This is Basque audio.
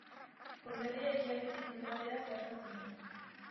Konderria ekialdetik mendebaldera zeharkatzen du.